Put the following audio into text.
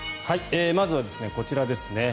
まずはこちらですね。